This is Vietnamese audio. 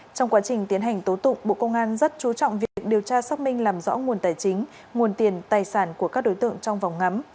trong quá trình tiến hành tố tụng bộ công an rất chú trọng việc điều tra xác minh làm rõ nguồn tài chính nguồn tiền tài sản của các đối tượng trong vòng ngắm